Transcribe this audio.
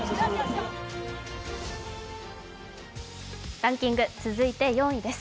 ランキング、続いて４位です。